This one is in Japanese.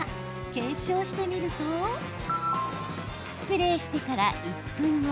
検証してみるとスプレーしてから１分後。